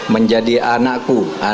menjadi anak kuat